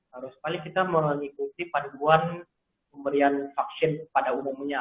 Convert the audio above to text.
harus sekali kita mengikuti paduan pemberian vaksin pada umumnya